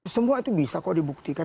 semua itu bisa kok dibuktikan